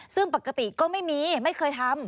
ซึ่งปกติก็ไม่มีไม่เคยทำ